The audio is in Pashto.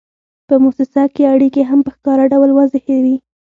په موسسه کې اړیکې هم په ښکاره ډول واضحې وي.